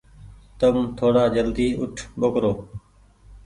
تم ٿوڙآ جلدي اوٺ ٻوکرو۔